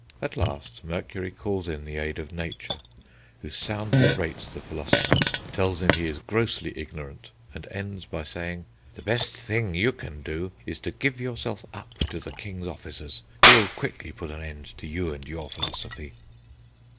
At last Mercury calls in the aid of Nature, who soundly rates the philosopher, tells him he is grossly ignorant, and ends by saying: "The best thing you can do is to give yourself up to the king's officers, who will quickly put an end to you and your philosophy."